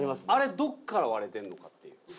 あれどっから割れてんのかっていう。